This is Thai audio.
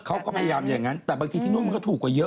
เขาก็พยายามอย่างนั้นแต่บางทีที่นู่นมันก็ถูกกว่าเยอะ